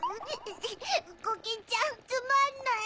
コキンちゃんつまんない。